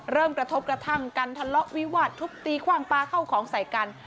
กระทบกระทั่งกันทะเลาะวิวาดทุบตีคว่างปลาเข้าของใส่กัน